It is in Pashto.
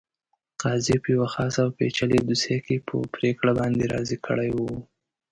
قاضي په یوه خاصه او پېچلې دوسیه کې په پرېکړه باندې راضي کړی وو.